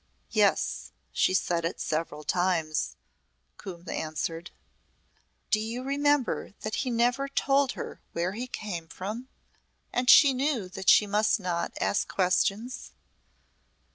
"Yes. She said it several times," Coombe answered. "Do you remember that he never told her where he came from? And she knew that she must not ask questions?